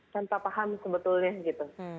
tidak paham sebetulnya gitu